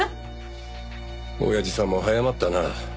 親父さんも早まったな。